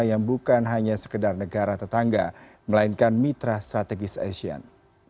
yang bukan hanya sekedar negara tetangga melainkan mitra strategis asian